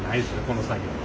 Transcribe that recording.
この作業は。